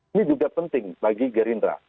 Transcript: ini juga penting bagi gerindra